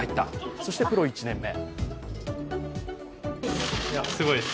そしてプロ１年目。